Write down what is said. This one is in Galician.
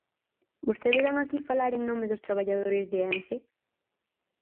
¿Vostede vén aquí falar en nome dos traballadores de Ence?